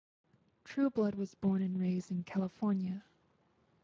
Trueblood was born and raised in California.